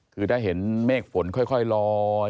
คือถ้าเห็นเมฆฝนค่อยลอย